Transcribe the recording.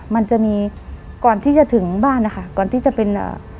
มันจะมีก่อนที่จะถึงบ้านนะคะก่อนที่จะเป็นอ่า